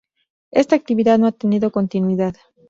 Esta actividad no ha tenido continuidad.